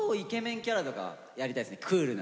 クールな。